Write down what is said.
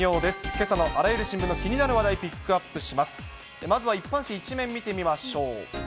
けさのあらゆる新聞の気になる話題、ピックアップします。